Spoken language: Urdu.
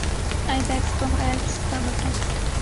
آئی بیکس کوہ ایلپس کا بکرا